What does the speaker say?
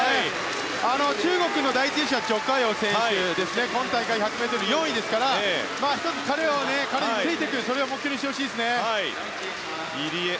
中国の第１泳勝ジョ・カヨ選手は今大会、１００ｍで４位ですから１つ、彼についていくことを目標にしてほしいですね。